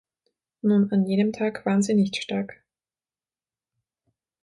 Nun, an jenem Tag waren sie nicht stark.